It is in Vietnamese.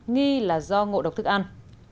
nghi là do ngộ độc thức ăn